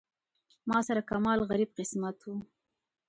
ما سره کمال غریب قسمت و.